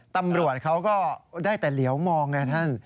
ตำรวจเขาก็ได้แต่เหลียวมองไงท่าน